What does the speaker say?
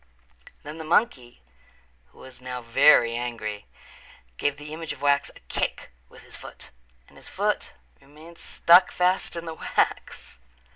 Then the monkey who was now very angry, gave the image of wax a kick with his foot and his foot remained stuck fast in the wax.